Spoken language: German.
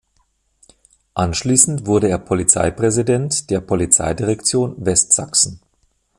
Anschließend wurde er Polizeipräsident der Polizeidirektion Westsachsen.